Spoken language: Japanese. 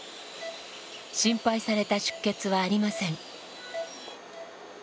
心配された出血はありません。